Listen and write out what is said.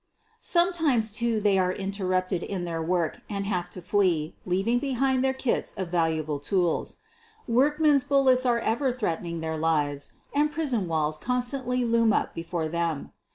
Sometimes, too, they are in terrupted in their work and have to flee, leaving be hind their kits of valuable tools. Watchmen's bul lets are ever threatening their lives and prison walls constantly loom up before them.